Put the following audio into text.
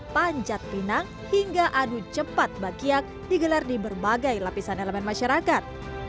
panjat pinang hingga adu cepat bakyak digelar di berbagai lapisan elemen masyarakat